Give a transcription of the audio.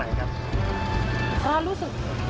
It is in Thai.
ไม่ได้มีเจตนาที่จะเล่ารวมหรือเอาทรัพย์ของคุณ